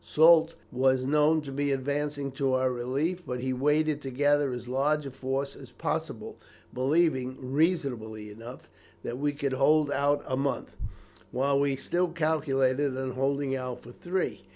Soult was known to be advancing to our relief; but he waited to gather as large a force as possible, believing, reasonably enough, that we could hold out a month, while we still calculated on holding out for three.